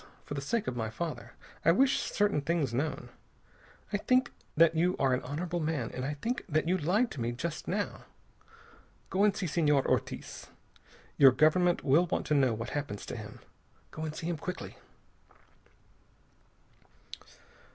For the sake of my father, I wish certain things known. I think that you are an honorable man, and I think that you lied to me just now. Go and see Senor Ortiz. Your government will want to know what happens to him. Go and see him quickly."